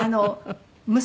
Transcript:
娘